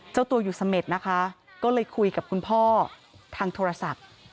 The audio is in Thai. เจ้าตัวอยู่เสม็ดนะคะก็เลยคุยกับคุณพ่อทางโทรศัพท์